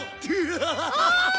ハハハハ！